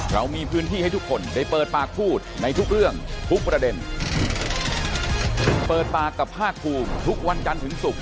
เรามีพื้นที่ให้ทุกคนได้เปิดปากพูดในทุกเรื่องทุกประเด็นเปิดปากกับภาคภูมิทุกวันจันทร์ถึงศุกร์